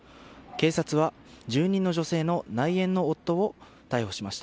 警察は、住人の女性の内縁の夫を逮捕しました。